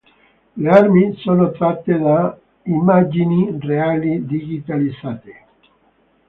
Le armi sono tratte da immagini reali digitalizzate.